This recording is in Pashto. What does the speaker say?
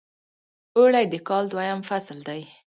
اوړی د کال دویم فصل دی .